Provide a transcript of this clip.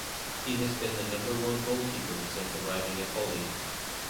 He has been the number one goalkeeper since arriving at Poli.